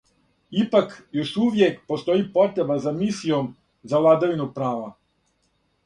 Ипак, још увијек постоји потреба за мисијом за владавину права.